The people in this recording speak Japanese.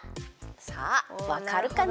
さあわかるかな？